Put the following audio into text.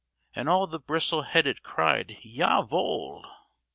And all the bristle headed cried, "_Ja wohl!